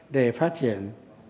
để phát triển